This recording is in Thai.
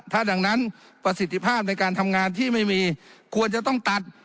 ถ้าดังนั้นประสิทธิภาพในการทำงานที่ไม่มีควรจะต้องตัด